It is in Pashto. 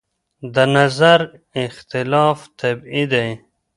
د نظر اختلاف طبیعي دی.